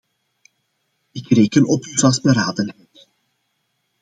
Ik reken op uw vastberadenheid.